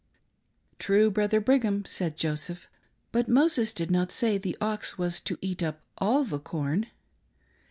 "True, Brother Brigham," said Joseph, " but Moses did not say the ox was to eat up all the corn."